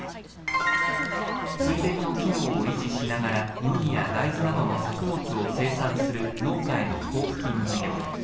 水田の機能を維持しながら、麦や大豆などの作物を生産する農家への交付金事業。